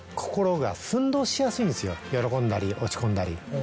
喜んだり落ち込んだり。